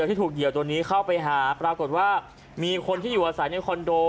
ที่ถูกเหยื่อตัวนี้เข้าไปหาปรากฏว่ามีคนที่อยู่อาศัยในคอนโด